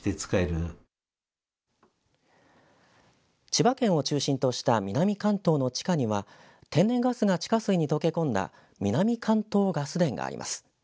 千葉県を中心とした南関東の地下には天然ガスが地下水に溶け込んだ南関東ガス田があります。